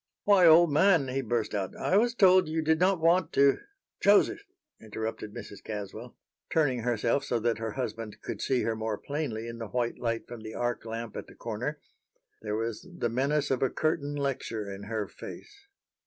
"Why, old man," he burst out, "I was told you did not want to" "Joseph!" interrupted Mrs. Caswell, turning herself so that her husband could see her more plainly in the white light from the arc lamp at the corner. There was the menace of a curtain lecture in her face.